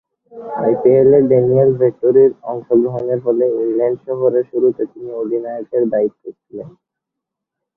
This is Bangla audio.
আইপিএলে ড্যানিয়েল ভেট্টোরি’র অংশগ্রহণের ফলে ইংল্যান্ড সফরের শুরুতে তিনি অধিনায়কের দায়িত্বে ছিলেন।